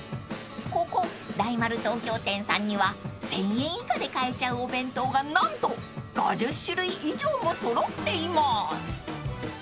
［ここ大丸東京店さんには１，０００円以下で買えちゃうお弁当が何と５０種類以上も揃っています］